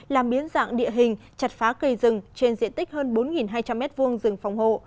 làm biến dạng địa hình chặt phá cây rừng trên diện tích hơn bốn hai trăm linh m hai rừng phòng hộ